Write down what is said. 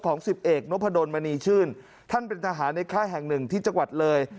สิบเอกนพดลมณีชื่นท่านเป็นทหารในค่ายแห่งหนึ่งที่จังหวัดเลย